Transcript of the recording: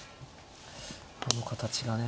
この形がね